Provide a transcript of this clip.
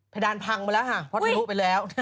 ดานพังไปแล้วค่ะเพราะทะลุไปแล้ว